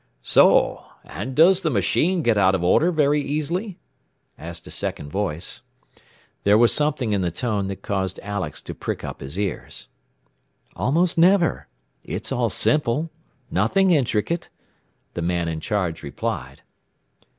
"So! And does the machine get out of order very easily?" asked a second voice. There was something in the tone that caused Alex to prick up his ears. "Almost never. It's all simple. Nothing intricate," the man in charge replied.